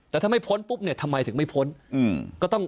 แต่ถ้าไม่พ้นปุ๊บทำไมถึงไม่พ้น